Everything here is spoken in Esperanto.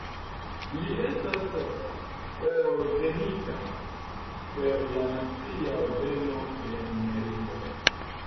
Li estas ordenita per la Nacia ordeno de Merito.